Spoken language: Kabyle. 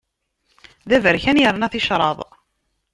D aberkan yerna ticraḍ.